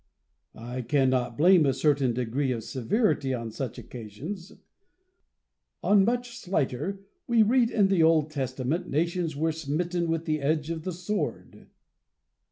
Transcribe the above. I cannot blame a certain degree of severity on such occasions : on much slighter, we read in the Old Testament, nations were smitten with the edge of the sword.